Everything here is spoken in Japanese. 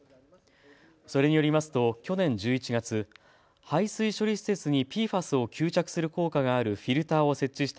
それによりますと去年１１月、排水処理施設にＰＦＡＳを吸着する効果があるフィルターを設置した